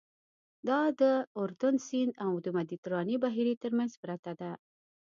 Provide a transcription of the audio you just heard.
دا د اردن سیند او مدیترانې بحیرې تر منځ پرته ده.